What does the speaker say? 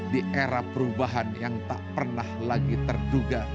di era perubahan yang tak pernah lagi terduga